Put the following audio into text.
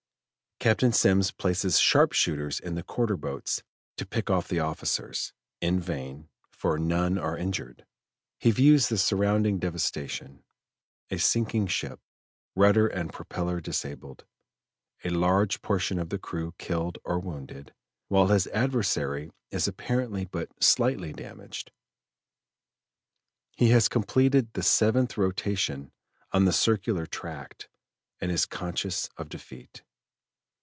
Captain Semmes places sharp shooters in the quarter boats to pick off the officers; in vain, for none are injured. He views the surrounding devastation a sinking ship, rudder and propeller disabled, a large portion of the crew killed or wounded, while his adversary is apparently but slightly damaged. He has completed the seventh rotation on the circular tract and is conscious of defeat.